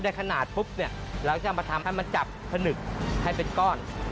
ไสมัยนี่มันจะช้าไม่ได้เลยเพราะช้าเสียทั้งที